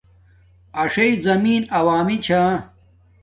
اݽݵ زمین عوامی چھا